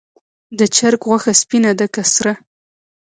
د چرګ غوښه سپینه ده که سره؟